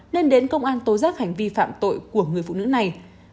nên đến công an tố giác hành vi phạm tội của người phụ nữ này